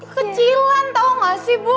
kecilan tau gak sih bu